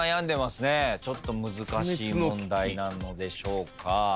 ちょっと難しい問題なのでしょうか。